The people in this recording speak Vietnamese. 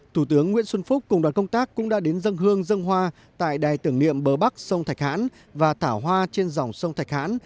thủ tướng nguyễn xuân phúc cùng đoàn công tác cũng đã đến dân hương dân hoa tại đài tưởng niệm bờ bắc sông thạch hãn và thảo hoa trên dòng sông thạch hãn